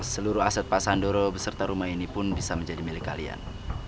seluruh aset pak sandoro beserta rumah ini pun bisa menjadi milik kalian